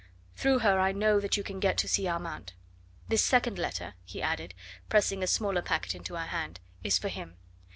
Through her I know that you can get to see Armand. This second letter," he added, pressing a smaller packet into her hand, "is for him.